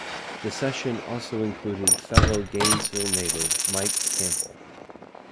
The session also included fellow Gainesville native Mike Campbell.